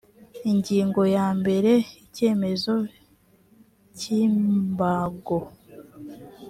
ingingo ya mbere icyemezo cy imbago